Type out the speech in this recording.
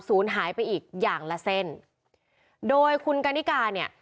ศูนย์หายไปอีกอย่างละเส้นโดยคุณกันนิกาเนี่ย